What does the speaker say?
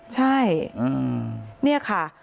ใช่นี่ค่ะ